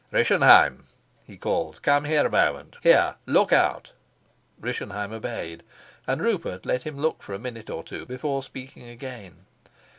"Rischenheim," he called, "come here a moment. Here look out." Rischenheim obeyed, and Rupert let him look for a minute or two before speaking again.